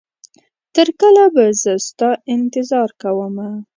تر کله به زه ستا انتظار کومه